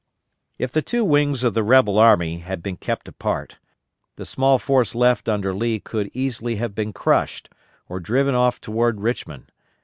If the two wings of the rebel army had been kept apart, the small force left under Lee could easily have been crushed, or driven off toward Richmond.